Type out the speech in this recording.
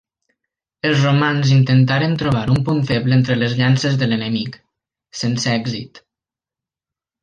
Els romans intentaren trobar un punt feble entre les llances de l'enemic, sense èxit.